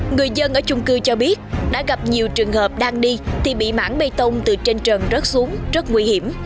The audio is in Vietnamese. người dân ở chung cư cho biết đã gặp nhiều trường hợp đang đi thì bị mãn bê tông từ trên trần rớt xuống rất nguy hiểm